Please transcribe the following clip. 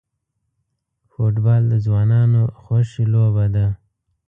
فوټبال د ځوانانو خوښی لوبه ده.